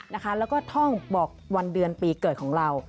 แล้วก็ท่องบอกวันเดือนปีเกิดของเรา